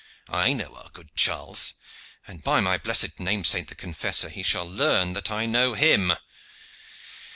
I know our good Charles, and, by my blessed name saint the Confessor, he shall learn that I know him.